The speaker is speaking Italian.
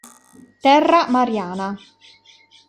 Terra Mariana